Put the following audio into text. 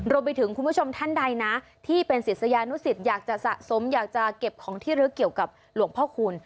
คุณผู้ชมท่านใดนะที่เป็นศิษยานุสิตอยากจะสะสมอยากจะเก็บของที่ลึกเกี่ยวกับหลวงพ่อคูณ